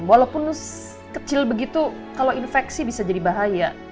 walaupun kecil begitu kalau infeksi bisa jadi bahaya